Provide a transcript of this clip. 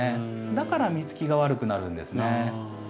だから実つきが悪くなるんですね。